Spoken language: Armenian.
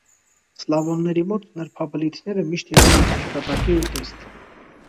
Սլավոնների մոտ նրբաբլիթները միշտ եղել են հիշատակի ուտեստ։